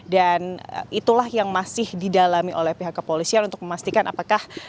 dan itulah yang masih didalami oleh pihak kepolisian untuk memastikan apakah